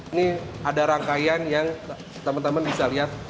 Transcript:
ini ada rangkaian yang teman teman bisa lihat